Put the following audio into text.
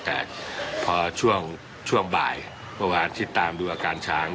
แต่พอช่วงบ่ายเมื่อวานที่ตามดูอาการช้าง